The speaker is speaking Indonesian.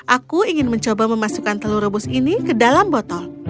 aku ingin mencoba memasukkan telur rebus ini ke dalam botol